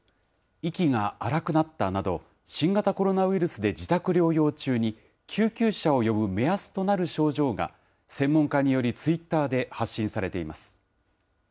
息が荒くなったなど、新型コロナウイルスで自宅療養中に、救急車を呼ぶ目安となる症状が、専門家により、ツイッターで発信されています。